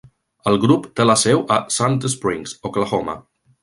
El grup té la seu a Sand Springs, Oklahoma.